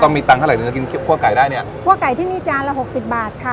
ต้องมีตังค์เท่าไรหนึ่งกินข้วไก่ได้เนี้ยข้วไก่ที่นี่จานละหกสิบบาทค่ะ